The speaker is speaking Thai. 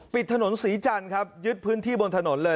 ปิดถนนศรีจันทร์ครับยึดพื้นที่บนถนนเลย